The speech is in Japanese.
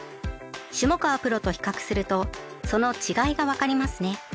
下川プロと比較するとその違いがわかりますね。